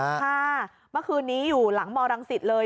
เมื่อคืนนี้อยู่หลังมรังสิตเลย